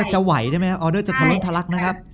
จะไหวหรืออาวเตอร์จะทำให้ทรัก